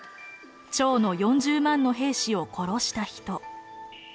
趙の４０万の兵士を殺した人。